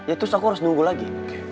ya terus aku harus nunggu lagi